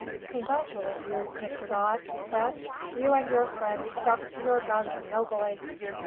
"Congratulate you, Mr. Dodd," he said. "You and your friend stuck to your guns nobly."